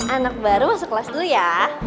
anak baru masuk kelas dua ya